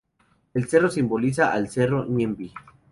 El cerro simboliza al Cerro Ñemby.